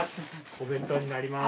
お弁当になります。